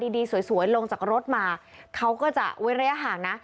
ดีสวยลงจากรถมาเขาก็จะเว้นระยะห่างนะ